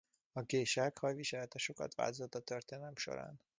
A gésák hajviselete sokat változott a történelem során.